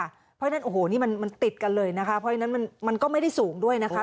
เพราะฉะนั้นโอ้โหนี่มันติดกันเลยนะคะเพราะฉะนั้นมันก็ไม่ได้สูงด้วยนะคะ